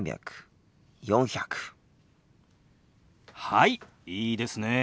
はいいいですねえ。